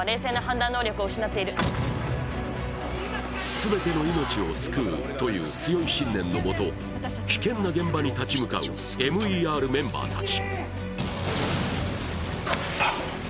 すべての命を救うという強い信念のもと、危険な現場に立ち向かうＭＥＲメンバーたち。